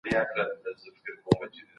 وزیران ولي جرګي ته غوښتل کیږي؟